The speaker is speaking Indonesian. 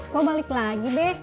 kau balik lagi be